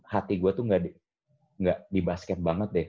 hati gue tuh gak di basket banget deh